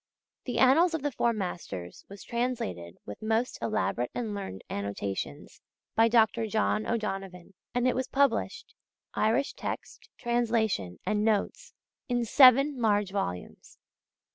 The Annals of the Four Masters was translated with most elaborate and learned annotations by Dr. John O'Donovan; and it was published Irish text, translation, and notes in seven large volumes.